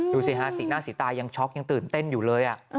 ดูสิฮะสีหน้าสีตายังช็อกยังตื่นเต้นอยู่เลย